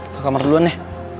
ke kamar dulu nih